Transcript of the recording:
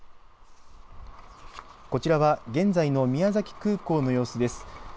こちらは現在の宮崎空港の様子です。